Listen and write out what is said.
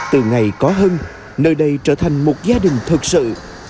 từ ngày có hân nơi đây trở thành một gia đình thật sự